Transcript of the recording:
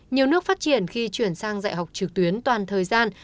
nhiều nước phát triển khi chuyển sang dạy học trực tuyến toàn thời gian